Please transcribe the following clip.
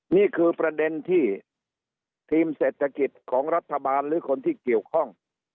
นี่คือประเด็นที่ทีมเศรษฐกิจของรัฐบาลหรือคนที่เกี่ยวข้อง